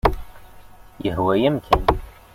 Yehwa-yam kan.